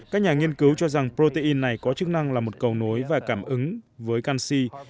các nhà nghiên cứu cho rằng protein này có chức năng là một cầu nối và cảm ứng với canxi